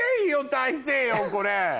大西洋これ。